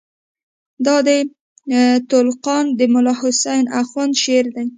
دا د تُلُقان د ملاحسن آخوند شعر دئ.